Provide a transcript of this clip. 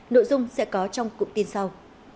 nội dung sẽ có trong cụm tin sau